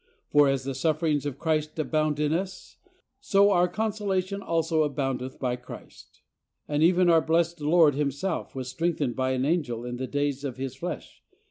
. For as the sufferings of Christ abound in us, so our consolation also aboundeth by Christ." And even our blessed Lord Himself was strength ened by an angel in the days of His flesh.